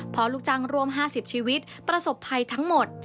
พอลูกจ้างร่วม๕๐ชีวิตประสบภัยทั้งหมด